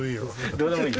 どうでもいい。